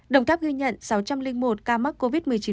đồng tháp ghi nhận sáu trăm linh một ca mắc covid một mươi chín